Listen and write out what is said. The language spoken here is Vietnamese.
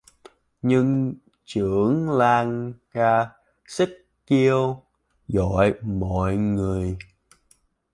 Nhưng trưởng làng ra sức kêu gọi mọi người